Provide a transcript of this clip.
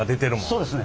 そうですね。